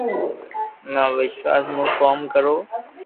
نہ وݾواݾ مون ڪوم ڪرو